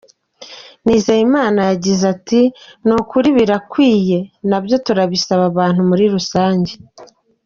Nizeyimana yagzie ati “Ni ukuri birakwiriye, nabyo turabisaba abantu muri rusange.